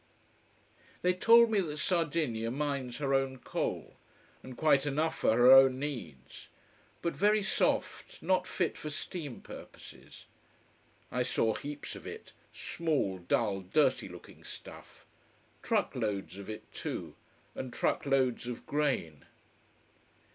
They told me that Sardinia mines her own coal: and quite enough for her own needs: but very soft, not fit for steam purposes. I saw heaps of it: small, dull, dirty looking stuff. Truck loads of it too. And truck loads of grain.